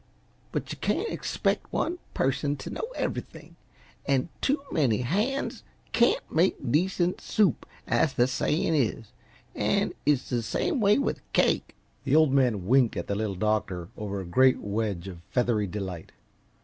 But yuh can't expect one person t' know everything an' too many han's can't make decent soup, as the sayin' is, an' it's the same way with cake." The Old Man winked at the Little Doctor over a great wedge of feathery delight.